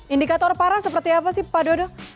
indikator parah seperti apa sih pak dodo